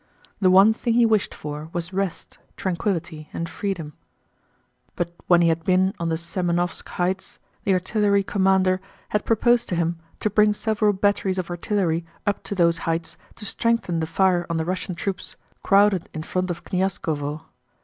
The one thing he wished for was rest, tranquillity, and freedom. But when he had been on the Semënovsk heights the artillery commander had proposed to him to bring several batteries of artillery up to those heights to strengthen the fire on the Russian troops crowded in front of Knyazkóvo.